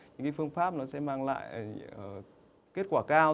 những phương pháp nó sẽ mang lại kết quả cao